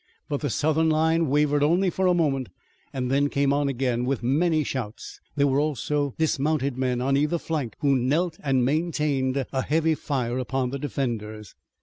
But the Southern line wavered only for a moment and then came on again with many shouts. There were also dismounted men on either flank who knelt and maintained a heavy fire upon the defenders.